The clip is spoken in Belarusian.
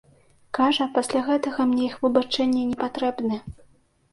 Кажа, пасля гэтага мне іх выбачэнні не патрэбны.